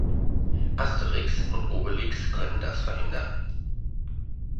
Asterix und Obelix können das verhindern.